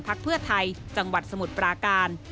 เพื่อไทยจังหวัดสมุทรปราการ